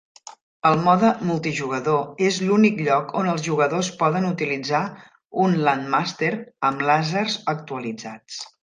El mode multijugador és l'únic lloc on els jugadors poden utilitzar un Landmaster amb làsers actualitzats.